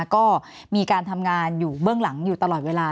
ก็มีการทำงานอยู่เบื้องหลังอยู่ตลอดเวลา